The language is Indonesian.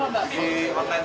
udah ketahuan berapa lama pak